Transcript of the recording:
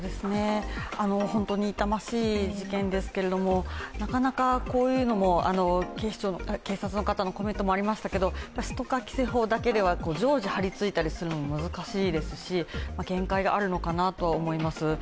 本当に痛ましい事件ですけれども、なかなかこういうのも警視庁、警察の方のコメントもありましたけれども、ストーカー規制法だけでは、常時張りついたりするのも難しいですし、限界があるのかなと思います。